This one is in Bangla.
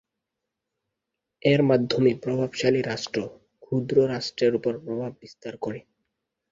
এর মাধ্যমে প্রভাবশালী রাষ্ট্র, ক্ষুদ্র রাষ্ট্রের উপর প্রভাব বিস্তার করতে পারে।